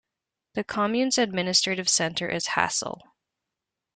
The commune's administrative centre is Hassel.